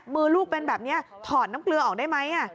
มือลูกเป็นแบบนี้ถอดน้ำเกลือออกได้ไหม